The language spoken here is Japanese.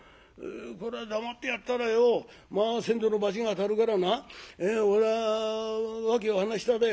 「そりゃ黙ってやったらよ先祖の罰が当たるからなおら訳を話しただよ。